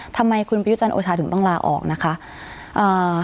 ทำไมคุณพระยุชนโอช้าถึงต้องละออกนะคะเอ่อ